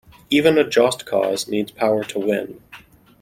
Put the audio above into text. Even a just cause needs power to win.